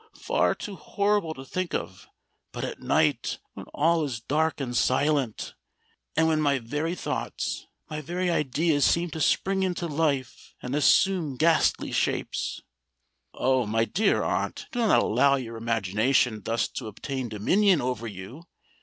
far too horrible to think of: but at night—when all is dark and silent, and when my very thoughts—my very ideas seem to spring into life and assume ghastly shapes——" "Oh! my dear aunt, do not allow your imagination thus to obtain dominion over you!"